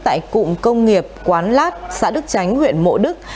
tại cụng công nghiệp quán lát xã đức chánh huyện mộ đức